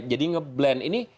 jadi ngeblend ini